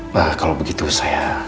nah kalau begitu saya